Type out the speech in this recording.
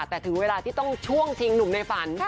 แต่ถึงเวลาที่ต้องช่วงชิงหนุ่มในฝัน